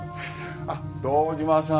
あっ堂島さん